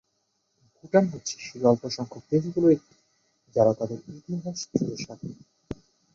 ভুটান হচ্ছে সেই অল্পসংখ্যক দেশগুলোর একটি যারা তাদের ইতিহাস জুড়ে স্বাধীন।